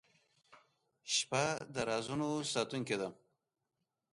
• شپه د رازونو ساتونکې ده.